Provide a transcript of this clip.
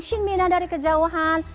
shin mi na dari kejauhan